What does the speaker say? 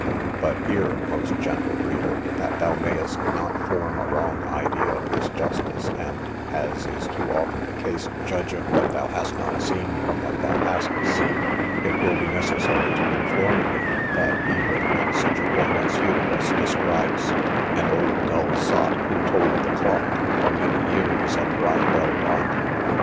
But here, most gentle reader, that thou mayest not form a wrong idea of this justice, and, as is too often the case, judge of what thou hast not seen, from what thou hast seen, it will be necessary to inform thee, that he was not such a one as Hudibras describes: An old dull sot, who told the clock, For many years at Bridewell dock.